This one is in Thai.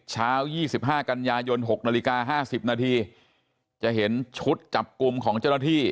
เช้า๒๕กันยายน๖นาฬิกา๕๐นาทีจะเห็นชุดจับกลุ่มของเจ้าหน้าที่